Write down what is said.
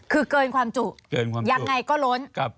คือเกินความจุความยังไงก็ล้น